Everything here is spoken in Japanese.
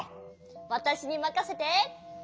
わたしにまかせて。